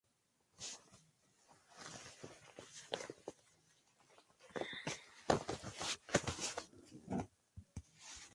Esto calienta adicionalmente el combustible que puede seguir fusionándose.